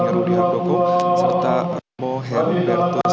yang ruli agung serta mohel bertus